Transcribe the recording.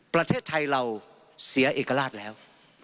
ประเทศไทยเราเสียเอกราชแล้ว